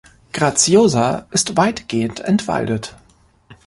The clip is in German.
Graciosa ist weitgehend entwaldet.